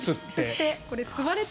吸って。